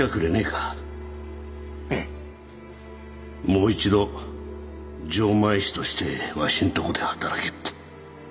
もう一度錠前師としてわしんとこで働けって。